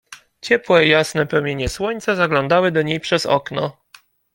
Ciepłe i jasne promienie słońca zaglądały do niej przez okno.